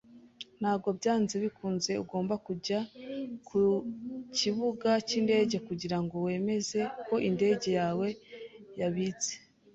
Ntabwo byanze bikunze ugomba kujya kukibuga cyindege kugirango wemeze ko indege yawe yabitse.